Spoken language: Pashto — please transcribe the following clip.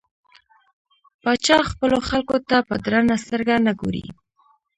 پاچا خپلو خلکو ته په درنه سترګه نه ګوري .